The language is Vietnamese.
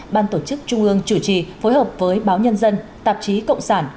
ban tổ chức trung ương chủ trì phối hợp với báo nhân dân tạp chí cộng sản